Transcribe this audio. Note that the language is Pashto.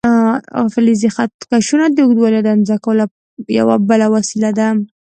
فلزي خط کشونه د اوږدوالي د اندازه کولو یوه بله وسیله ده.